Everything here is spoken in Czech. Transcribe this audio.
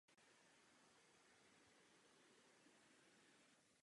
Přítomen je i při postižení kosterních svalů.